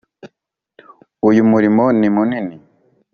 uyu mulimo ni munini